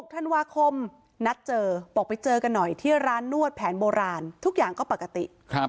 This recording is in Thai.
ธันวาคมนัดเจอบอกไปเจอกันหน่อยที่ร้านนวดแผนโบราณทุกอย่างก็ปกติ